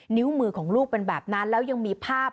นิ้วมือของลูกเป็นแบบนั้นแล้วยังมีภาพ